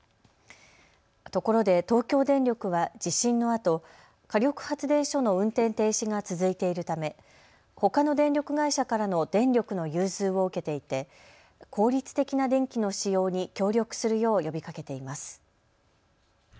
ところで、東京電力は地震のあと火力発電所の運転停止が続いているためほかの電力会社からの電力の融通を受けていて効率的な電気の使用に協力するよう呼びかけています。